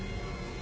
あ！